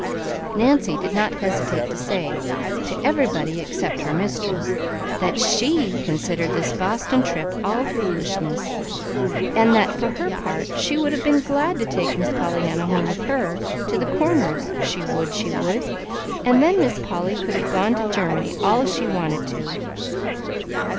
Nancy did not hesitate to say to every one except her mistress that SHE considered this Boston trip all foolishness, and that for her part she would have been glad to take Miss Pollyanna home with her to the Corners, she would, she would; and then Mrs. Polly could have gone to Germany all she wanted to.